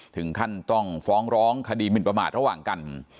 ถึงขั้นต้องฟ้องร้องคดีหมินประมาทระหว่างกัน